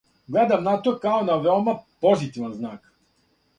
Гледам на то као на веома позитиван знак.